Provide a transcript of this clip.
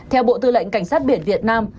theo bộ tư lệnh cảnh sát biển việt nam